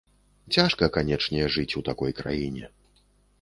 Цяжка, канечне, жыць у такой краіне.